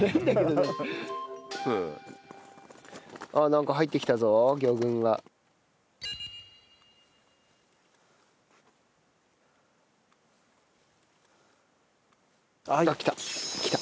あっなんか入ってきたぞ魚群が。来た来た！来た！